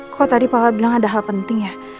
kalo tadi papa bilang ada hal penting ya